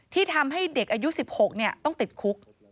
ที่ทำให้เด็กอายุ๑๖ต้องติดคุก